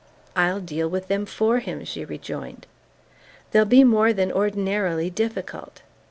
"I'll deal with them for him," she rejoined. "They'll be more than ordinarily difficult."